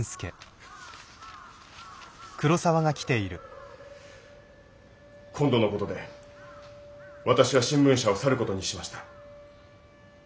うん。今度の事で私は新聞社を去る事にしました。